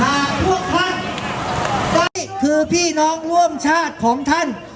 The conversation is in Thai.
หากพวกพักได้คือพี่น้องร่วมชาติของท่าน